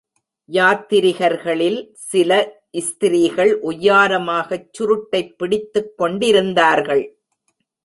யாத்திரிகர்களில் சில ஸ்திரீகள் ஒய்யாரமாகச் சுருட்டைப் பிடித்துக் கொண்டிருந்தார்கள்.